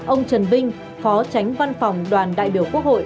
ông trần minh phó tránh văn phòng đoàn đại biểu quốc hội